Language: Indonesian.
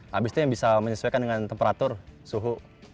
habis itu yang bisa menyesuaikan dengan temperatur suhu